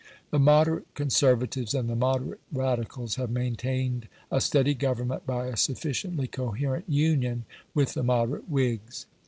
The moderate Conservatives and the moderate Radicals have maintained a steady Government by a sufficiently coherent union with the moderate Whigs.